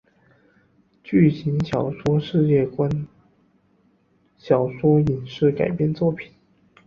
剧情小说世界观小说影视改编作品